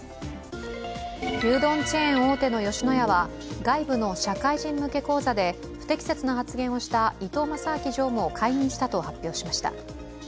牛丼チェーン大手の吉野家は、外部の社会人向け講座で不適切な発言をした伊東正明常務を解任したと発表しました。